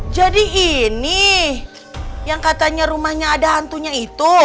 jadi ini yang katanya rumahnya ada hantunya itu